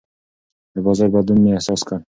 د بازار بدلون مې احساس کړ.